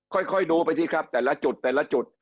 ค่อยดูไปสิครับแต่ละจุดแต่ละจุด